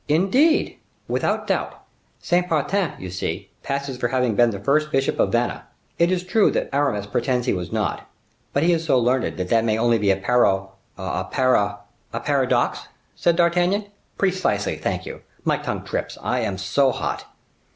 "Indeed!" "Without doubt. Saint Patern, you see, passes for having been the first bishop of Vannes. It is true that Aramis pretends he was not. But he is so learned that that may be only a paro—a para—" "A paradox," said D'Artagnan. "Precisely; thank you! my tongue trips, I am so hot."